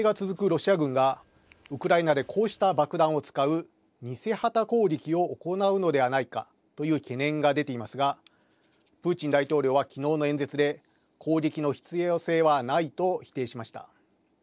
ロシア軍がウクライナでこうした爆弾を使う偽旗攻撃を行うのではないかという懸念が出ていますがプーチン大統領は昨日の演説で攻撃の必要性はないと否定しました。